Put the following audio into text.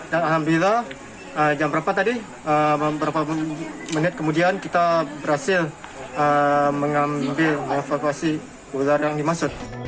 dan alhamdulillah jam berapa tadi beberapa menit kemudian kita berhasil mengambil mengevakuasi ular yang dimasuk